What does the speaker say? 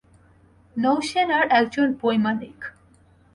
নৌ-সেনার একজন বৈমানিক।